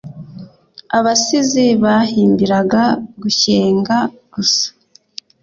abasizi bahimbiraga gushyenga gusa